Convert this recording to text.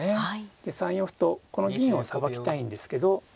で３四歩とこの銀をさばきたいんですけど。